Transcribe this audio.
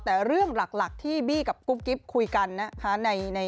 แต่เรื่องหลักที่บี้กับกุ๊บกิ๊บคุยกันนะคะ